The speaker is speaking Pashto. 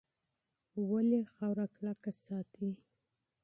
ریښې خاوره کلکه ساتي.